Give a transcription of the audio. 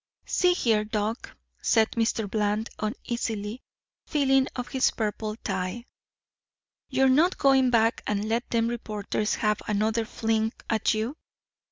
"See here, Doc," said Mr. Bland, uneasily feeling of his purple tie, "you're not going back and let them reporters have another fling at you?"